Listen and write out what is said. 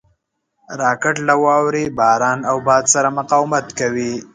راکټ له واورې، باران او باد سره مقاومت کوي